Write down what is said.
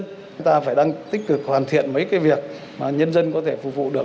chúng ta phải đang tích cực hoàn thiện mấy cái việc mà nhân dân có thể phục vụ được